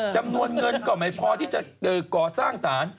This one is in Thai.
จำนวนเงินก็ไม่พอที่จะก่อสร้างสาร